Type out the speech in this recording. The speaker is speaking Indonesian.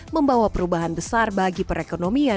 membawa perubahan besar bagi perekonomian